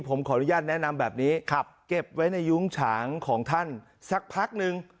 ผมขออนุญาตแนะนำแบบนี้เก็บไว้ในยุ้งฉางของท่านสักพักนึง